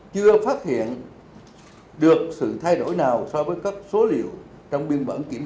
chưa phát hiện được sự thay đổi nào so với các số liệu trong biên bản kiểm tra